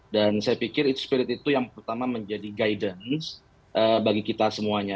dan saya pikir itu yang pertama menjadi guidance bagi kita semuanya